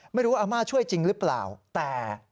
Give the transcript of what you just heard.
ไม่รู้ว่าอาม่าช่วยจริงหรือเปล่าแต่